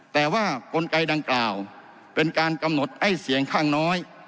แต่ว่ากลไกดังกล่าวเป็นการกำหนดให้เสียงข้างน้อย